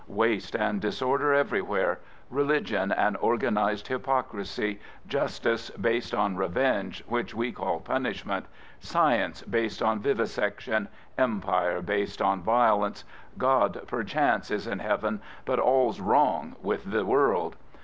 Waste and disorder everywhere: religion an organised hypocrisy; justice b^d on revenge which we call punishment; science based on vivisection ; Empire based on violence, God, perchance, is in heaven, but all's wrong with the world.